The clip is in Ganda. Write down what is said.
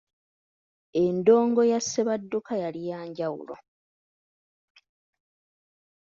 Endongo ya Ssebadduka yali ya njawulo.